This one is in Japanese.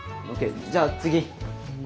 じゃあ次。